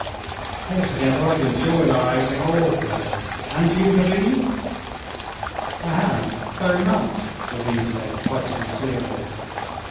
"Altogether, I've enjoyed our outing awfully. And you, Levin?" "I have, very much," Levin said quite sincerely.